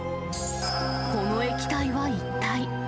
この液体は一体。